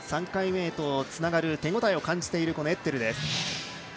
３回目へとつながる手応えを感じているエッテルです。